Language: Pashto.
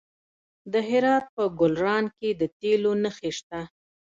د هرات په ګلران کې د تیلو نښې شته.